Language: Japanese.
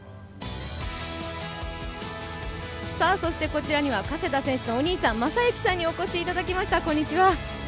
こちらには加世田選手のお兄さん、雅之さんにお越しいただきました。